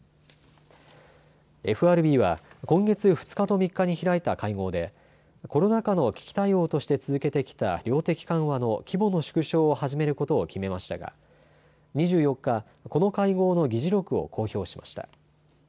ＦＲＢは今月２日と３日に開いた会合でコロナ禍の危機対応として続けてきた量的緩和の規模の縮小を始めることを決めましたが２４日、この会合の議事録を公表しました。